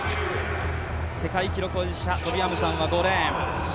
世界記録保持者トビ・アムサンは５レーン。